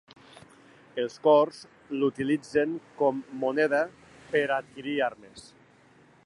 Els cors s'utilitzen com moneda per a adquirir armes.